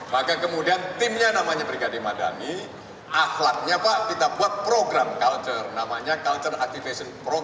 maka kemudian timnya namanya brigade madani ahlaknya pak kita buat program culture namanya culture activation program